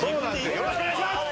よろしくお願いします！